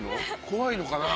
「怖いのかな？」